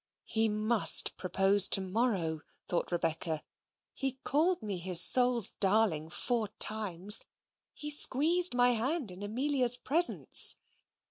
"He must propose to morrow," thought Rebecca. "He called me his soul's darling, four times; he squeezed my hand in Amelia's presence.